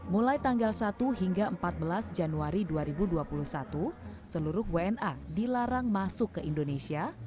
mulai tanggal satu hingga empat belas januari dua ribu dua puluh satu seluruh wna dilarang masuk ke indonesia